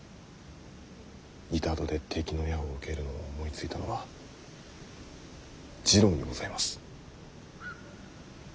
板戸で敵の矢を受けるのを思いついたのは次郎にございます。